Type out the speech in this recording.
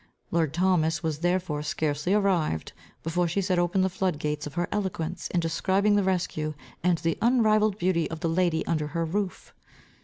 Lord Thomas was therefore scarcely arrived, before she set open the flood gates of her eloquence, in describing the rescue, and the unrivalled beauty of the lady under her roof.